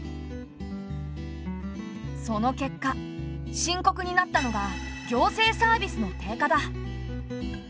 その結果深刻になったのが行政サービスの低下だ。